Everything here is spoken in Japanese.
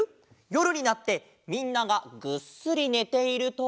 よるになってみんながぐっすりねていると。